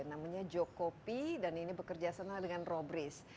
namanya jokopi dan ini bekerja sama dengan robris